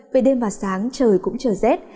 về đêm và sáng trời cũng trở rét